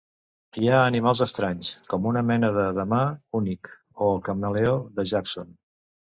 Hi ha animals estranys, com una mena de damà únic o el camaleó de Jackson.